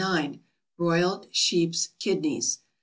=Broiled Sheep's Kidneys.